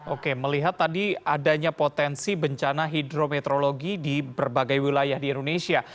oke melihat tadi adanya potensi bencana hidrometeorologi di berbagai wilayah di indonesia